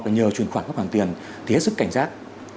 nhìn khoản góp hàng tiền thì hết sức cảnh giác